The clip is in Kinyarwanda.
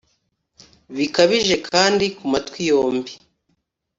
bikabije kandi ku matwi yombi